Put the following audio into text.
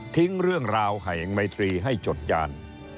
ทิ้งเรื่องราวแห่งไมตรีให้จดยาน